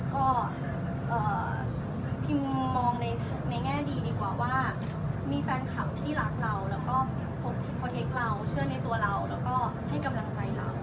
ก็พิมพ์มองในแง่ดีดีกว่ามีแฟนคับที่รักเราแล้วก็เข้าในตัวเราให้กำลังใจเรา